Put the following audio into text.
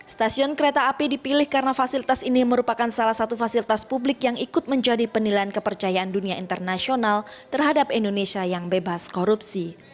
stasiun kereta api dipilih karena fasilitas ini merupakan salah satu fasilitas publik yang ikut menjadi penilaian kepercayaan dunia internasional terhadap indonesia yang bebas korupsi